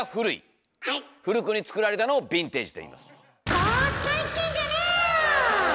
古くに作られたのを「ヴィンテージ」と言います。